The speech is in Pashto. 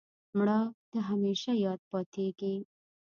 مړه د همېشه یاد پاتېږي